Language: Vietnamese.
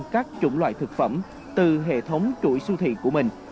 các chủng loại thực phẩm từ hệ thống chuỗi siêu thị của mình